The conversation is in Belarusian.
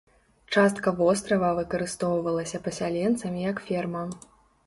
Частка вострава выкарыстоўвалася пасяленцамі як ферма.